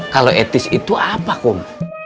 kalau etis itu apa kong